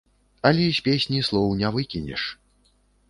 Але з песні слоў не выкінеш.